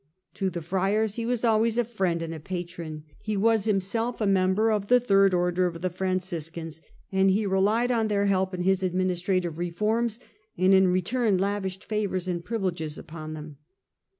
To the Friars he was always a friend and patron. He was him self a n)ember of the " Third Order " of the Franciscans (see p. 230), and he relied on their help in his administrative reforms, and in return lavished favours and privileges upon them.